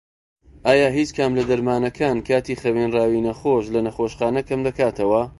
ئایا هیچ کام لە دەرمانەکان کاتی خەوێنراوی نەخۆش لە نەخۆشخانە کەمدەکاتەوە؟